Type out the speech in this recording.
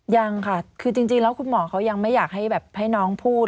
ยังค่ะคือจริงแล้วคุณหมอเขายังไม่อยากให้แบบให้น้องพูด